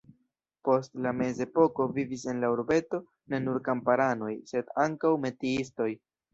Post la mezepoko vivis en la urbeto ne nur kamparanoj, sed ankaŭ metiistoj.